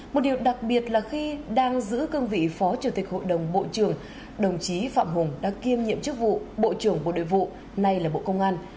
một điều đặc biệt là khi đang giữ cương vị phó chủ tịch hội đồng bộ trưởng đồng chí phạm hùng đã kiêm nhiệm chức vụ bộ trưởng bộ đội vụ nay là bộ công an